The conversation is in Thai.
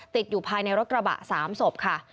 ติดอยู่ภายในรถกระบะ๓ศพค่ะ